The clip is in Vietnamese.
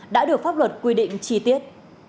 đã được pháp luật quy định chi tiết